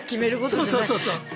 そうそうそうそう。